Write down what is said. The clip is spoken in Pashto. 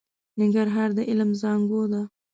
ننګرهار د علم زانګو ده.